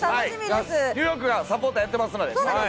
ニューヨークがサポーターやってますので。